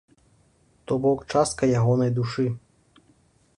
То бок частка ягонай душы.